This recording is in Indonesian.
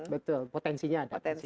betul potensinya ada